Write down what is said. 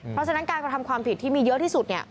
เพราะฉะนั้นการกระทำความผิดที่มีเยอะที่สุดเนี่ย